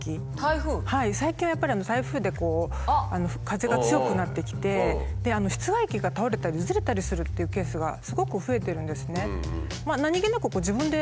最近はやっぱり台風で風が強くなってきて室外機が倒れたりずれたりするっていうケースがすごく増えてるんですね。